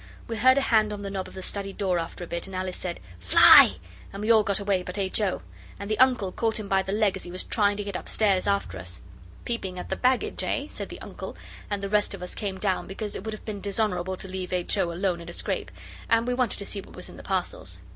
We heard a hand on the knob of the study door after a bit, and Alice said 'Fly!' and we all got away but H. O., and the Uncle caught him by the leg as he was trying to get upstairs after us. 'Peeping at the baggage, eh?' said the Uncle, and the rest of us came down because it would have been dishonourable to leave H. O. alone in a scrape, and we wanted to see what was in the parcels.